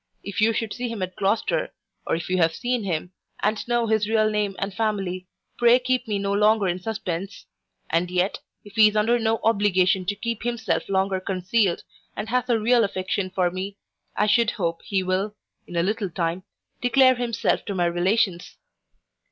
If you should see him at Gloucester or if you have seen him, and know his real name and family, pray keep me no longer in suspence And yet, if he is under no obligation to keep himself longer concealed, and has a real affection for me, I should hope he will, in a little time, declare himself to my relations.